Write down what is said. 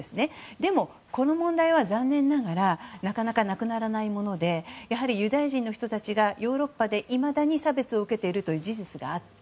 でも、この問題は残念ながらなかなかなくならないものでやはりユダヤ人の人たちがヨーロッパでいまだに差別を受けているという事実があって。